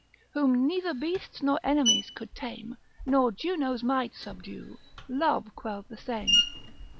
Whom neither beasts nor enemies could tame, Nor Juno's might subdue, Love quell'd the same.